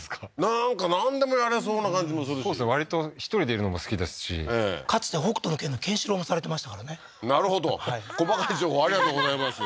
なんかなんでもやれそうな感じもするしそうですね割と１人でいるのも好きですしかつて北斗の拳のケンシロウもされなるほど細かい情報ありがとうございます